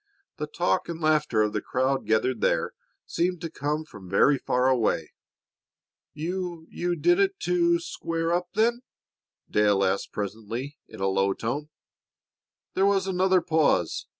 The talk and laughter of the crowd gathered there seemed to come from very far away. "You did it to to square up, then?" Dale asked presently in a low tone. There was another pause.